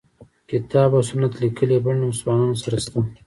کتاب او سنت لیکلي بڼه له مسلمانانو سره شته.